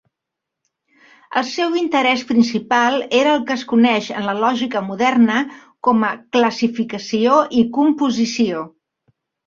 El seu interès principal era el que es coneix en la lògica moderna com a classificació i composició.